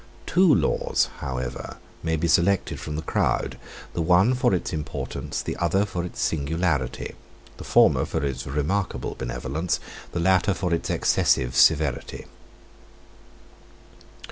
Two laws, however, may be selected from the crowd; the one for its importance, the other for its singularity; the former for its remarkable benevolence, the latter for its excessive severity.